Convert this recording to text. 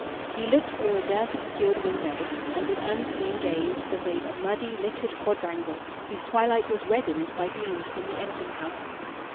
He looked through a dirt obscured window and with unseeing gaze surveyed a muddy, littered quadrangle whose twilight was reddened by gleams from the engine house.